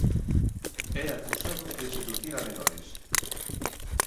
É acusado de seducir a menores.